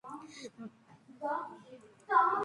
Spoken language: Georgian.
მდედრი შავარდენი ზომაში ოდნავ უფრო დიდია, ვიდრე მამრი.